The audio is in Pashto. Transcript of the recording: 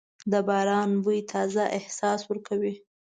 د باران بوی تازه احساس ورکوي.